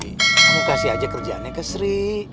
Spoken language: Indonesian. kamu kasih aja kerjaannya ke sri